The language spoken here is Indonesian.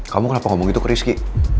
kamu kenapa ngomong gitu ke rizky